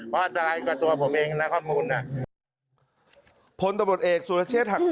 ผลตำรวจเอกสุรัชยศหักพรรดิ